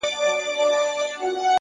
خپل وخت په ارزښتناکو کارونو ولګوئ.!